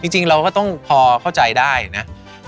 จริงเราก็ต้องพอเข้าใจได้นะ